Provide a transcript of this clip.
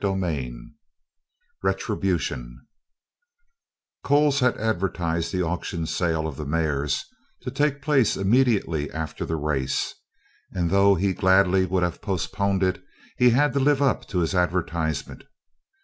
CHAPTER V RETRIBUTION Coles had advertised the auction sale of the mares to take place immediately after the race and though he would gladly have postponed it he had to live up to his advertisement.